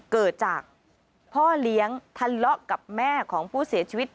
เกิดจากพ่อเลี้ยงทะเลาะกับแม่ของผู้เสียชีวิต